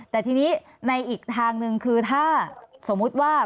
แต่ทีนี้ในอีกทางหนึ่งคือถ้าสมมุติว่า